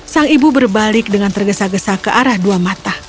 sang ibu berbalik dengan tergesa gesa ke arah dua mata